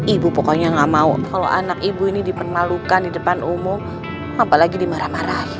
ibu pokoknya gak mau kalau anak ibu ini dipermalukan di depan umum apalagi dimarah marahin